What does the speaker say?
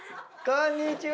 こんにちは。